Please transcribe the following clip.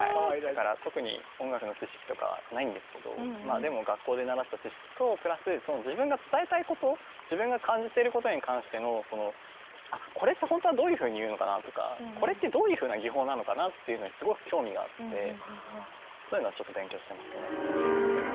だから特に音楽の知識とかはないんですけどまあでも学校で習った知識とプラス自分が伝えたいこと自分が感じてることに関してのこれってほんとはどういうふうに言うのかなとかこれってどういうふうな技法なのかなっていうのにすごく興味があってそういうのはちょっと勉強してますね。